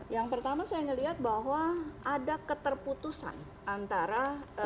yang pertama saya melihat bahwa ada keterputusan antara